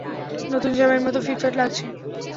নতুন জামাইয়ের মতো ফিটফাট লাগছে?